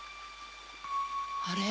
あれ？